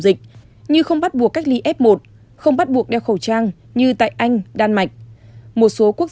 dịch như không bắt buộc cách ly f một không bắt buộc đeo khẩu trang như tại anh đan mạch một số quốc